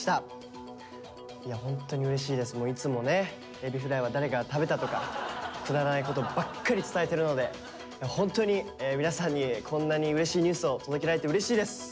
エビフライは誰が食べたとかくだらないことばっかり伝えてるのでホントに皆さんにこんなにうれしいニュースを届けられてうれしいです。